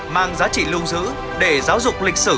mang giá trị lưu giữ để giáo dục lịch sử